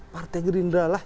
partai gerindra lah